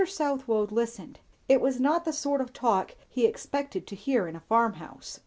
Southwode listened. It was not the sort of talk he expected to hear in a farmhouse.